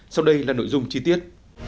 sau đây là nội dung chi tiết